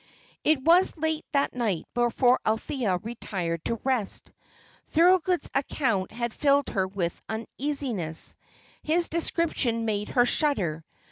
It was late that night before Althea retired to rest. Thorold's account had filled her with uneasiness; his description made her shudder.